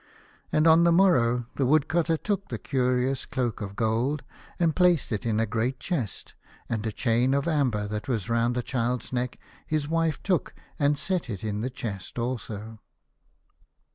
And on the morrow the Woodcutter took the curious cloak of gold and placed it in a great chest, and a chain of amber that was round the child's neck his wife took and set it in the chest also.